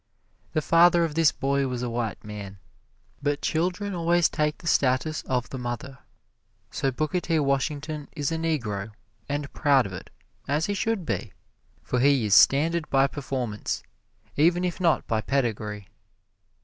The father of this boy was a white man; but children always take the status of the mother, so Booker T. Washington is a Negro, and proud of it, as he should be, for he is standard by performance, even if not by pedigree.